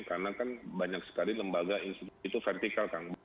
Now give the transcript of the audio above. karena kan banyak sekali lembaga institusi itu vertikal kang